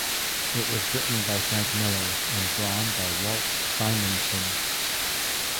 It was written by Frank Miller and drawn by Walt Simonson.